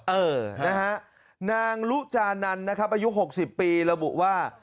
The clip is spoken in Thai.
เออนางลุจานันอายุ๖๐ปีระบุว่า